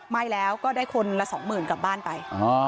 ไม่แล้วก็ได้คนละ๒๐๐๐๐กลับบ้านไป